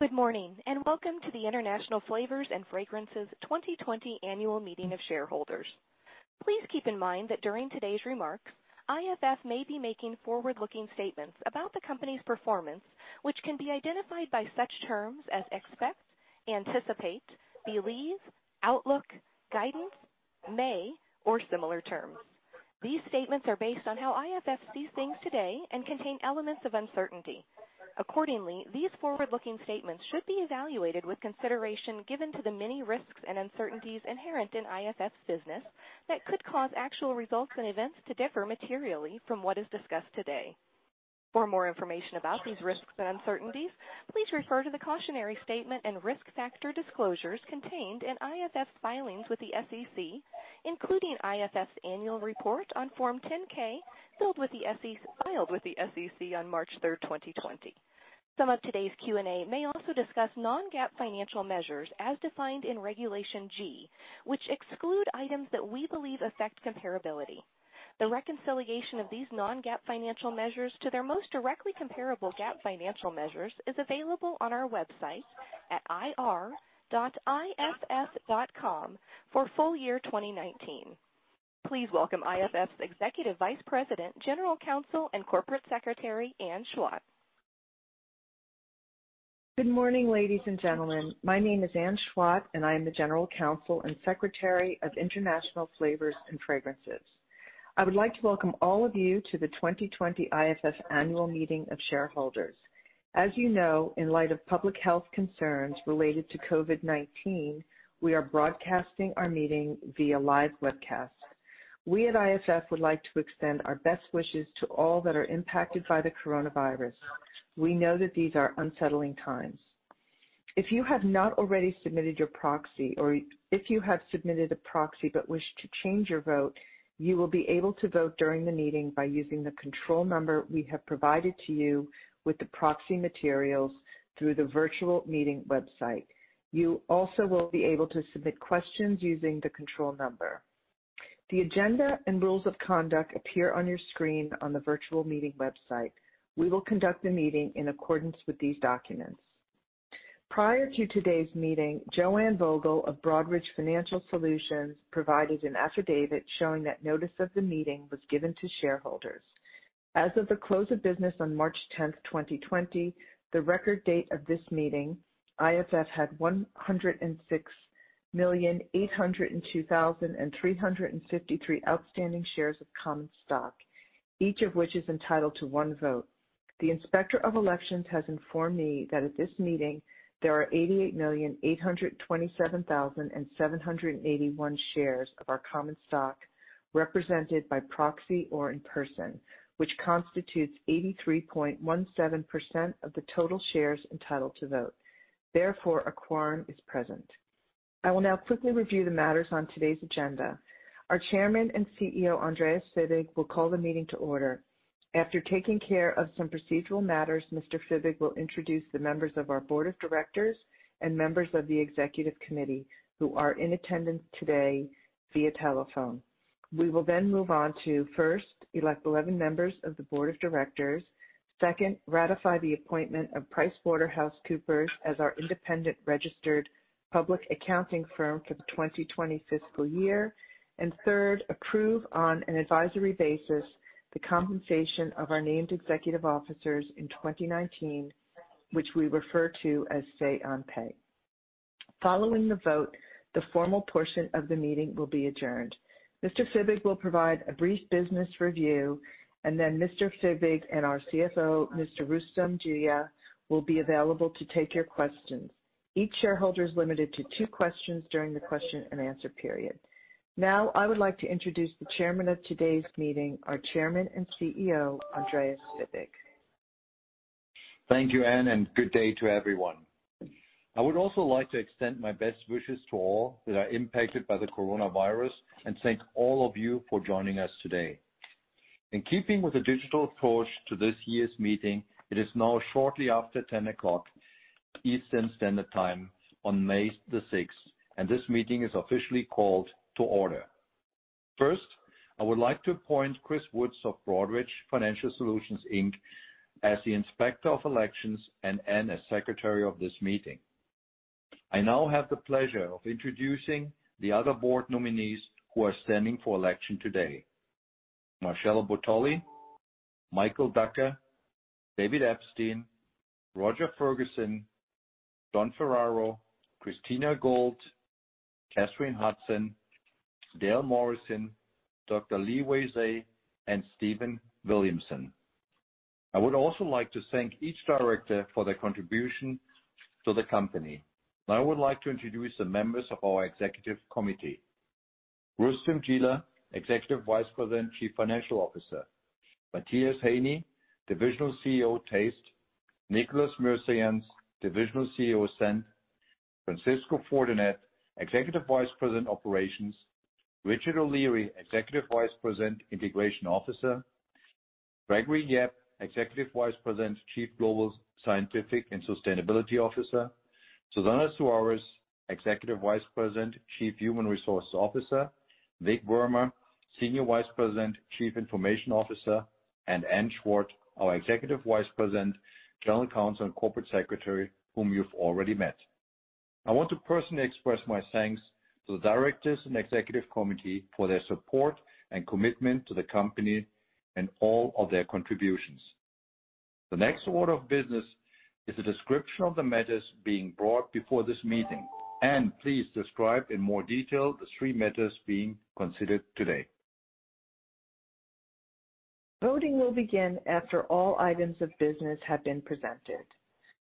Good morning, and welcome to the International Flavors & Fragrances 2020 annual meeting of shareholders. Please keep in mind that during today's remarks, IFF may be making forward-looking statements about the company's performance, which can be identified by such terms as expect, anticipate, believe, outlook, guidance, may, or similar terms. These statements are based on how IFF sees things today and contain elements of uncertainty. Accordingly, these forward-looking statements should be evaluated with consideration given to the many risks and uncertainties inherent in IFF's business that could cause actual results and events to differ materially from what is discussed today. For more information about these risks and uncertainties, please refer to the cautionary statement and risk factor disclosures contained in IFF's filings with the SEC, including IFF's annual report on Form 10-K filed with the SEC on March 3, 2020. Some of today's Q&A may also discuss non-GAAP financial measures as defined in Regulation G, which exclude items that we believe affect comparability. The reconciliation of these non-GAAP financial measures to their most directly comparable GAAP financial measures is available on our website at ir.iff.com for full year 2019. Please welcome IFF's Executive Vice President, General Counsel, and Corporate Secretary, Anne Chwat. Good morning, ladies and gentlemen. My name is Anne Chwat, I am the General Counsel and Secretary of International Flavors & Fragrances. I would like to welcome all of you to the 2020 IFF annual meeting of shareholders. As you know, in light of public health concerns related to COVID-19, we are broadcasting our meeting via live webcast. We at IFF would like to extend our best wishes to all that are impacted by the coronavirus. We know that these are unsettling times. If you have not already submitted your proxy or if you have submitted a proxy but wish to change your vote, you will be able to vote during the meeting by using the control number we have provided to you with the proxy materials through the virtual meeting website. You also will be able to submit questions using the control number. The agenda and rules of conduct appear on your screen on the virtual meeting website. We will conduct the meeting in accordance with these documents. Prior to today's meeting, Joanne Vogel of Broadridge Financial Solutions provided an affidavit showing that notice of the meeting was given to shareholders. As of the close of business on March 10, 2020, the record date of this meeting, IFF had 106,802,353 outstanding shares of common stock, each of which is entitled to one vote. The Inspector of Elections has informed me that at this meeting, there are 88,827,781 shares of our common stock represented by proxy or in person, which constitutes 83.17% of the total shares entitled to vote. Therefore, a quorum is present. I will now quickly review the matters on today's agenda. Our Chairman and CEO, Andreas Fibig, will call the meeting to order. After taking care of some procedural matters, Mr. Fibig will introduce the members of our Board of Directors and members of the Executive Committee who are in attendance today via telephone. We will move on to, first, elect 11 members of the Board of Directors. Second, ratify the appointment of PricewaterhouseCoopers as our independent registered public accounting firm for the 2020 fiscal year. Third, approve on an advisory basis the compensation of our named executive officers in 2019, which we refer to as say on pay. Following the vote, the formal portion of the meeting will be adjourned. Mr. Fibig will provide a brief business review, and then Mr. Fibig and our CFO, Mr. Rustom Jilla, will be available to take your questions. Each shareholder is limited to two questions during the question and answer period. I would like to introduce the Chairman of today's meeting, our Chairman and CEO, Andreas Fibig. Thank you, Anne, and good day to everyone. I would also like to extend my best wishes to all that are impacted by the coronavirus and thank all of you for joining us today. In keeping with the digital approach to this year's meeting, it is now shortly after 10 o'clock Eastern Standard Time on May the 6th, and this meeting is officially called to order. First, I would like to appoint Chris Woods of Broadridge Financial Solutions Inc as the Inspector of Elections and Anne as Secretary of this meeting. I now have the pleasure of introducing the other board nominees who are standing for election today. Marcello Bottoli, Michael Ducker, David Epstein, Roger Ferguson, John Ferraro, Christina Gold, Katherine Hudson, Dale Morrison, Dr. Li-Huei Tsai, and Stephen Williamson. I would also like to thank each director for their contribution to the company. Now I would like to introduce the members of our executive committee. Rustom Jilla, Executive Vice President Chief Financial Officer. Matthias Haeni, Divisional CEO, Taste. Nicolas Mirzayantz, Divisional CEO, Scent. Francisco Fortanet, Executive Vice President, Operations. Richard O'Leary, Executive Vice President, Integration Officer. Gregory Yep, Executive Vice President, Chief Global Scientific and Sustainability Officer. Susana Suarez-Gonzalez, Executive Vice President, Chief Human Resources Officer. Vic Verma, Senior Vice President, Chief Information Officer, and Anne Chwat, our Executive Vice President, General Counsel and Corporate Secretary, whom you've already met. I want to personally express my thanks to the directors and executive committee for their support and commitment to the company and all of their contributions. The next order of business is a description of the matters being brought before this meeting. Anne, please describe in more detail the three matters being considered today. Voting will begin after all items of business have been presented.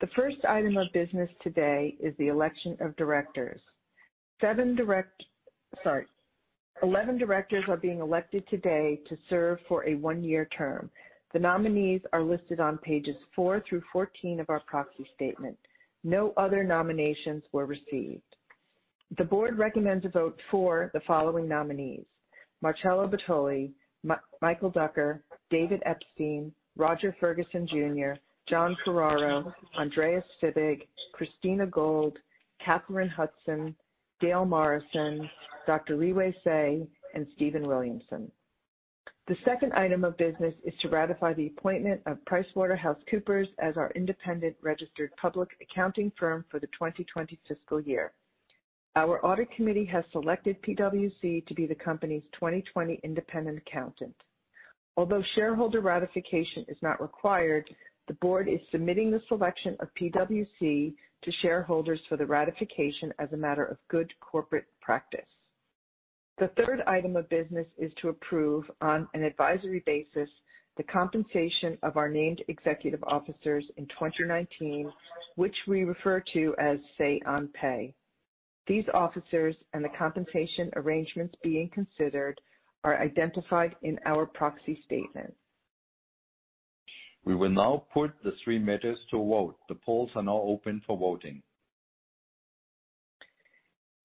The first item of business today is the election of directors. Seven, sorry, 11 directors are being elected today to serve for a one-year term. The nominees are listed on pages four through 14 of our proxy statement. No other nominations were received. The board recommends a vote for the following nominees: Marcello Bottoli, Michael Ducker, David Epstein, Roger W. Ferguson, Jr., John Ferraro, Andreas Fibig, Christina Gold, Katherine Hudson, Dale Morrison, Dr. Li-Huei Tsai, and Stephen Williamson. The second item of business is to ratify the appointment of PricewaterhouseCoopers as our independent registered public accounting firm for the 2020 fiscal year. Our audit committee has selected PWC to be the company's 2020 independent accountant. Although shareholder ratification is not required, the board is submitting the selection of PWC to shareholders for the ratification as a matter of good corporate practice. The third item of business is to approve, on an advisory basis, the compensation of our named executive officers in 2019, which we refer to as say on pay. These officers and the compensation arrangements being considered are identified in our proxy statement. We will now put the three matters to a vote. The polls are now open for voting.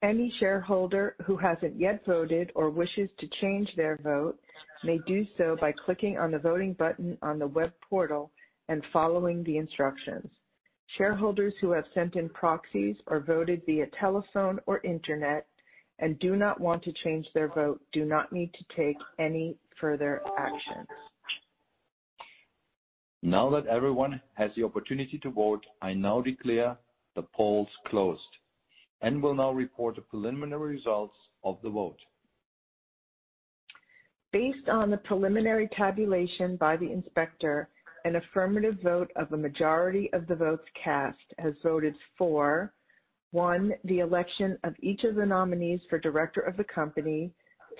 Any shareholder who hasn't yet voted or wishes to change their vote may do so by clicking on the voting button on the web portal and following the instructions. Shareholders who have sent in proxies or voted via telephone or internet and do not want to change their vote do not need to take any further action. Now that everyone has the opportunity to vote, I now declare the polls closed. Anne will now report the preliminary results of the vote. Based on the preliminary tabulation by the inspector, an affirmative vote of a majority of the votes cast has voted for, one, the election of each of the nominees for director of the company.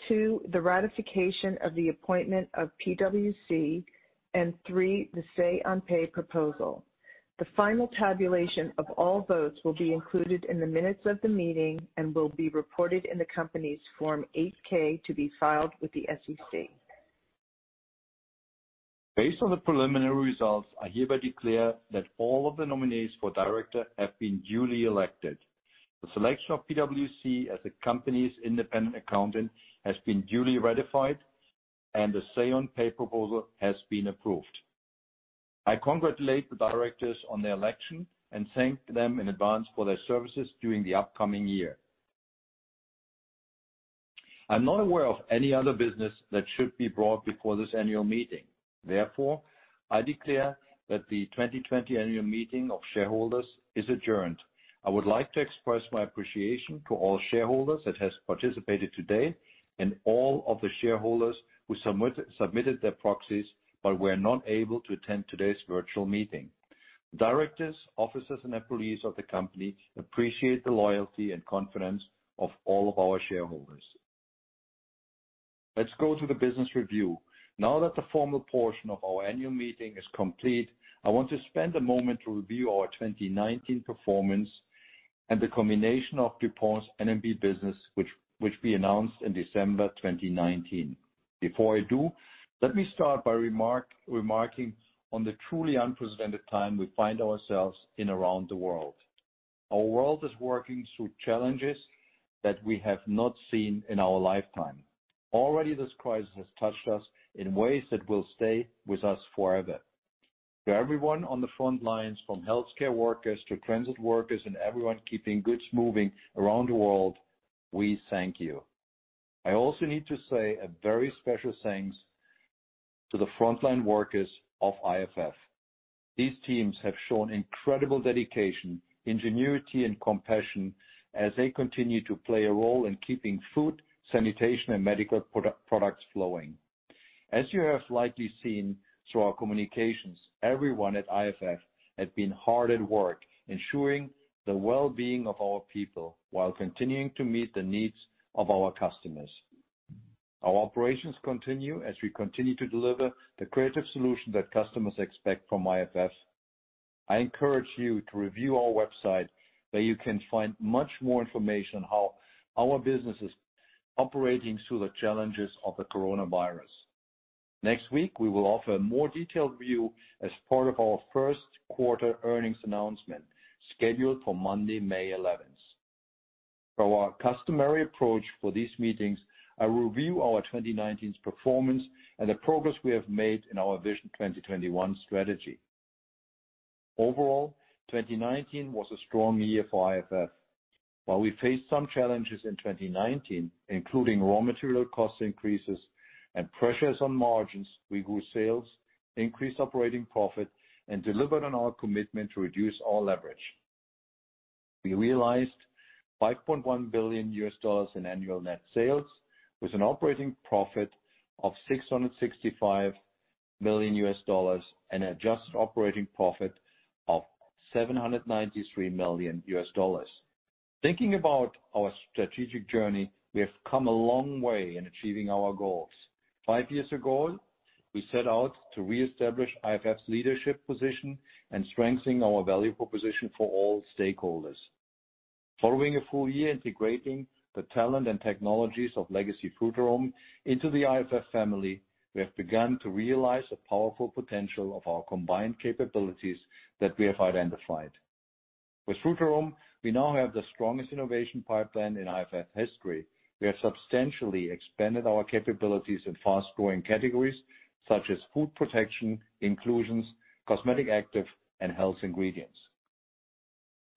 Two, the ratification of the appointment of PWC. three, the say on pay proposal. The final tabulation of all votes will be included in the minutes of the meeting and will be reported in the company's Form 8-K to be filed with the SEC. Based on the preliminary results, I hereby declare that all of the nominees for director have been duly elected. The selection of PWC as the company's independent accountant has been duly ratified, and the say on pay proposal has been approved. I congratulate the directors on their election and thank them in advance for their services during the upcoming year. I'm not aware of any other business that should be brought before this annual meeting. I declare that the 2020 annual meeting of shareholders is adjourned. I would like to express my appreciation to all shareholders that has participated today and all of the shareholders who submitted their proxies but were not able to attend today's virtual meeting. Directors, officers, and employees of the company appreciate the loyalty and confidence of all of our shareholders. Let's go to the business review. Now that the formal portion of our annual meeting is complete, I want to spend a moment to review our 2019 performance and the combination of DuPont's N&B business, which we announced in December 2019. Before I do, let me start by remarking on the truly unprecedented time we find ourselves in around the world. Our world is working through challenges that we have not seen in our lifetime. Already, this crisis has touched us in ways that will stay with us forever. To everyone on the front lines, from healthcare workers to transit workers and everyone keeping goods moving around the world, we thank you. I also need to say a very special thanks to the frontline workers of IFF. These teams have shown incredible dedication, ingenuity, and compassion as they continue to play a role in keeping food, sanitation, and medical products flowing. As you have likely seen through our communications, everyone at IFF has been hard at work ensuring the well-being of our people while continuing to meet the needs of our customers. Our operations continue as we continue to deliver the creative solution that customers expect from IFF. I encourage you to review our website, where you can find much more information on how our business is operating through the challenges of the coronavirus. Next week, we will offer a more detailed view as part of our first-quarter earnings announcement, scheduled for Monday, May 11th. Per our customary approach for these meetings, I review our 2019 performance and the progress we have made in our Vision 2021 strategy. Overall, 2019 was a strong year for IFF. While we faced some challenges in 2019, including raw material cost increases and pressures on margins, we grew sales, increased operating profit, and delivered on our commitment to reduce our leverage. We realized $5.1 billion in annual net sales, with an operating profit of $665 million, and adjusted operating profit of $793 million. Thinking about our strategic journey, we have come a long way in achieving our goals. Five years ago, we set out to reestablish IFF's leadership position and strengthen our value proposition for all stakeholders. Following a full year integrating the talent and technologies of legacy Frutarom into the IFF family, we have begun to realize the powerful potential of our combined capabilities that we have identified. With Frutarom, we now have the strongest innovation pipeline in IFF history. We have substantially expanded our capabilities in fast-growing categories such as food protection, inclusions, cosmetic active, and health ingredients.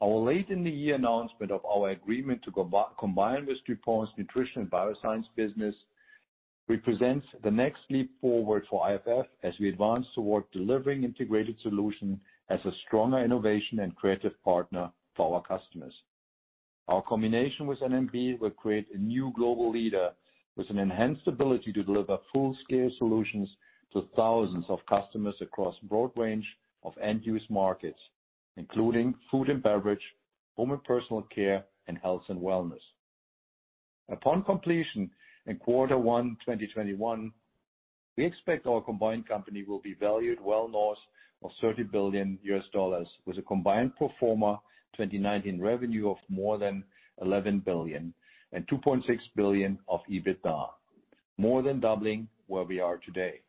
Our late in the year announcement of our agreement to combine with DuPont Nutrition & Biosciences business represents the next leap forward for IFF as we advance toward delivering integrated solution as a stronger innovation and creative partner for our customers. Our combination with N&B will create a new global leader with an enhanced ability to deliver full-scale solutions to thousands of customers across broad range of end-use markets, including food and beverage, home and personal care, and health and wellness. Upon completion in quarter one 2021, we expect our combined company will be valued well north of $30 billion, with a combined pro forma 2019 revenue of more than $11 billion and $2.6 billion of EBITDA, more than doubling where we are today.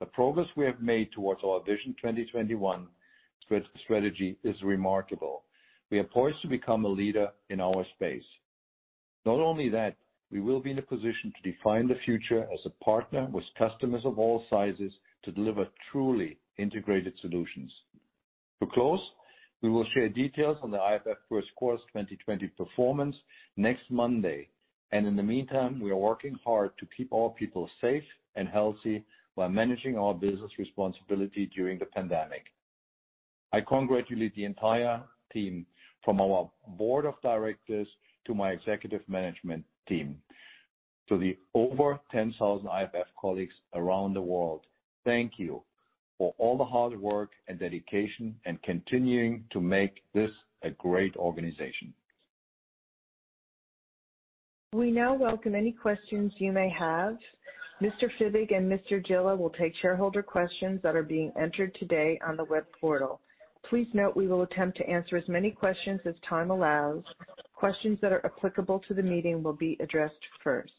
The progress we have made towards our Vision 2021 strategy is remarkable. We are poised to become a leader in our space. Not only that, we will be in a position to define the future as a partner with customers of all sizes to deliver truly integrated solutions. To close, we will share details on the IFF first quarter 2020 performance next Monday, and in the meantime, we are working hard to keep all people safe and healthy while managing our business responsibility during the pandemic. I congratulate the entire team, from our board of directors to my executive management team, to the over 10,000 IFF colleagues around the world. Thank you for all the hard work and dedication and continuing to make this a great organization. We now welcome any questions you may have. Mr. Fibig and Mr. Jilla will take shareholder questions that are being entered today on the web portal. Please note we will attempt to answer as many questions as time allows. Questions that are applicable to the meeting will be addressed first.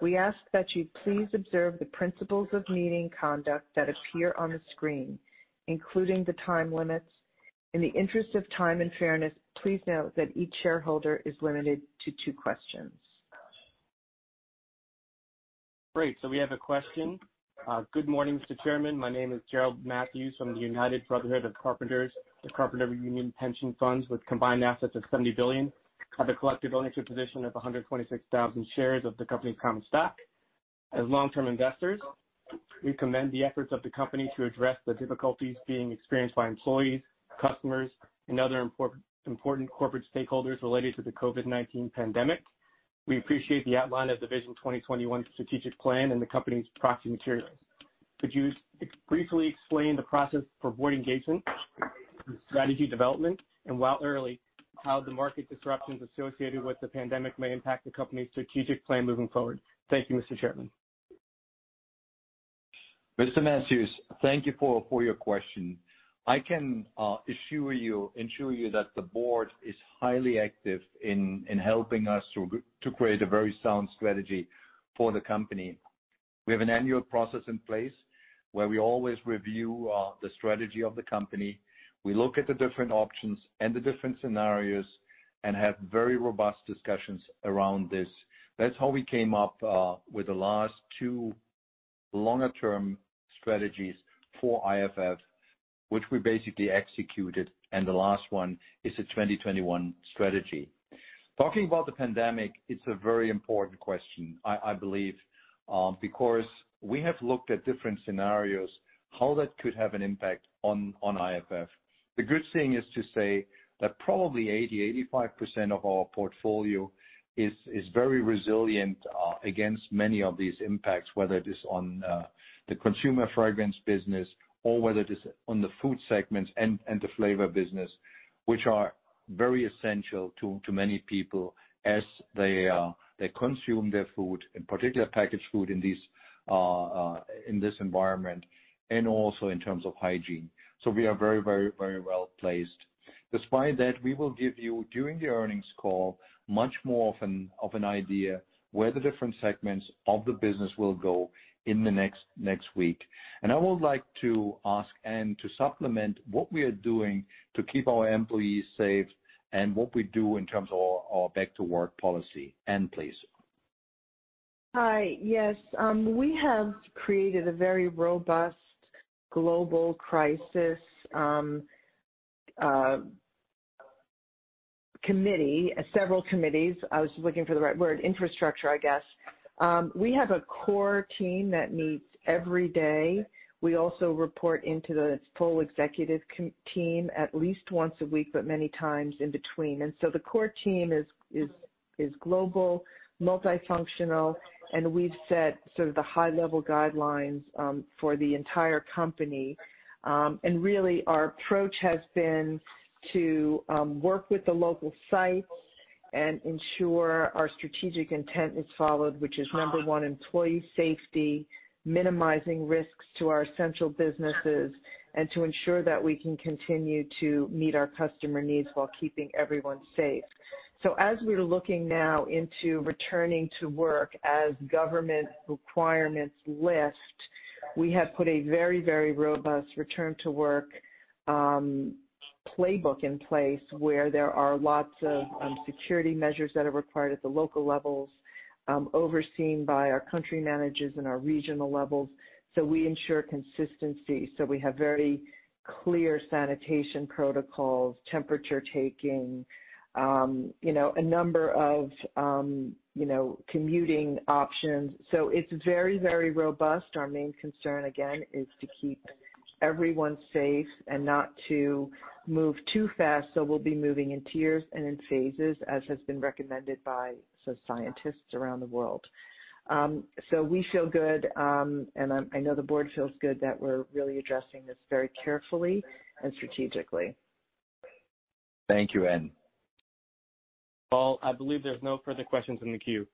We ask that you please observe the principles of meeting conduct that appear on the screen, including the time limits. In the interest of time and fairness, please note that each shareholder is limited to two questions. Great, we have a question. Good morning, Mr. Chairman. My name is Gerald Matthews from the United Brotherhood of Carpenters, the Carpenter Union Pension Funds with combined assets of $70 billion have a collective ownership position of 126,000 shares of the company's common stock. As long-term investors, we commend the efforts of the company to address the difficulties being experienced by employees, customers, and other important corporate stakeholders related to the COVID-19 pandemic. We appreciate the outline of the Vision 2021 strategic plan and the company's proxy materials. Could you briefly explain the process for board engagement and strategy development, and while early, how the market disruptions associated with the pandemic may impact the company's strategic plan moving forward? Thank you, Mr. Chairman. Mr. Matthews, thank you for your question. I can assure you that the board is highly active in helping us to create a very sound strategy for the company. We have an annual process in place where we always review the strategy of the company. We look at the different options and the different scenarios and have very robust discussions around this. That's how we came up with the last two longer term strategies for IFF, which we basically executed. The last one is the 2021 strategy. Talking about the pandemic, it's a very important question, I believe, because we have looked at different scenarios, how that could have an impact on IFF. The good thing is to say that probably 80%, 85% of our portfolio is very resilient against many of these impacts, whether it is on the consumer fragrance business or whether it is on the food segments and the flavor business, which are very essential to many people as they consume their food, in particular packaged food in this environment, and also in terms of hygiene. We are very well placed. Despite that, we will give you, during the earnings call, much more of an idea where the different segments of the business will go in the next week. I would like to ask Anne to supplement what we are doing to keep our employees safe and what we do in terms of our back-to-work policy. Anne, please. Hi. Yes. We have created a very robust global crisis committee, several committees. I was just looking for the right word, infrastructure, I guess. We have a core team that meets every day. We also report into the full executive team at least once a week, but many times in between. The core team is global, multifunctional, and we've set sort of the high-level guidelines for the entire company. Really, our approach has been to work with the local sites and ensure our strategic intent is followed, which is number one, employee safety, minimizing risks to our central businesses, and to ensure that we can continue to meet our customer needs while keeping everyone safe. As we're looking now into returning to work as government requirements lift, we have put a very robust return-to-work playbook in place where there are lots of security measures that are required at the local levels, overseen by our country managers and our regional levels. We ensure consistency. We have very clear sanitation protocols, temperature taking, a number of commuting options. It's very robust. Our main concern, again, is to keep everyone safe and not to move too fast. We'll be moving in tiers and in phases as has been recommended by some scientists around the world. We feel good, and I know the board feels good that we're really addressing this very carefully and strategically. Thank you, Anne. I believe there's no further questions in the queue.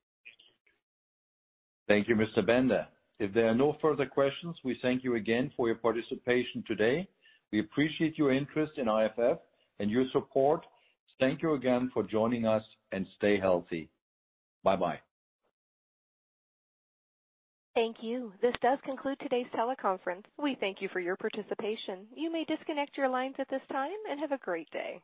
Thank you, Mr. Bender. If there are no further questions, we thank you again for your participation today. We appreciate your interest in IFF and your support. Thank you again for joining us, and stay healthy. Bye-bye. Thank you. This does conclude today's teleconference. We thank you for your participation. You may disconnect your lines at this time. Have a great day.